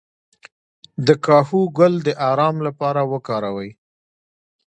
د کاهو ګل د ارام لپاره وکاروئ